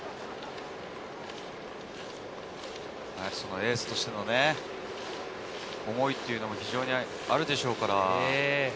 エースとしての思いも非常にあるでしょうから。